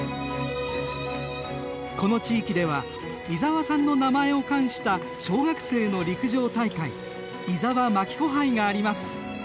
この地域では伊澤さんの名前を冠した小学生の陸上大会「伊澤まき子杯」があります。